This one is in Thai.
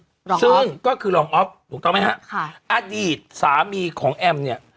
รองซึ่งก็คือรองอ๊อฟถูกต้องไหมฮะค่ะอดีตสามีของแอมเนี่ย